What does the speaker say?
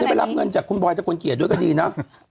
วันหลังจะไปรับเงินจากคุณบรอยเจ้ากลเกียรติด้วยก็ดีนะ